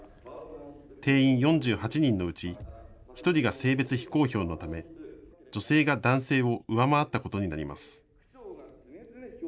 定員４８人のうち１人が性別非公表のため女性が男性を上回ったことになります。